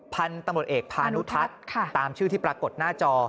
พันธุ์ตำรวจเอกพานุทัศน์ตามชื่อที่ปรากฏหน้าจอ